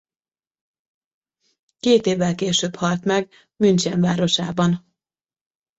Két évvel később halt meg München városában.